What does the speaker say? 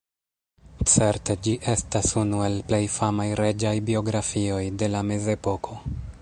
Certe ĝi estas unu el plej famaj reĝaj biografioj de la Mezepoko.